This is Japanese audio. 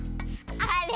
あれ？